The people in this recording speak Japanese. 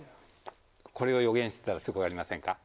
これを予言してたらすごくありませんか？